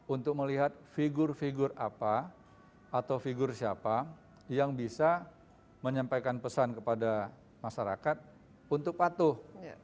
untuk melihat figur figur apa atau figur siapa yang bisa menyampaikan pesan kepada masyarakat untuk patuh